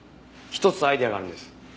１つアイデアがあるんです。